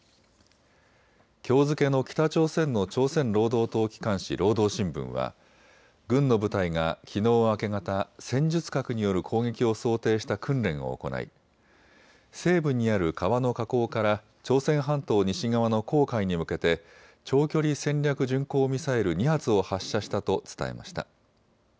きょう付けの北朝鮮の朝鮮労働党機関紙、労働新聞は軍の部隊がきのう明け方、戦術核による攻撃を想定した訓練を行い西部にある川の河口から朝鮮半島西側の黄海に向けて長距離戦略巡航ミサイル２発を発射したと伝えました。